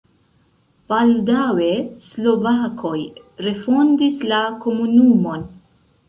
Baldaŭe slovakoj refondis la komunumon.